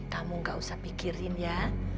kamu gak usah pikirin ya